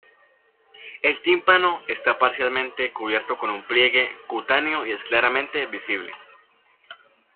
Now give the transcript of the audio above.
El tímpano está parcialmente cubierto con un pliegue cutáneo y es claramente visible.